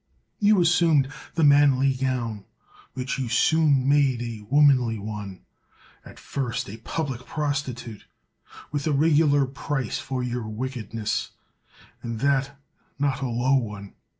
You assumed the manly gown, which you soon made a womanly one ; at first a public prostitute, with a regular price for your wickedness, and that not a low one.